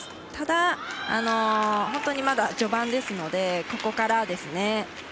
ただ、本当にまだ序盤ですのでここからですね。